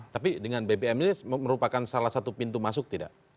tapi dengan bbm ini merupakan salah satu pintu masuk tidak